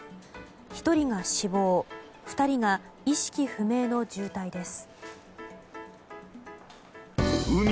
１人が死亡２人が意識不明の重体です。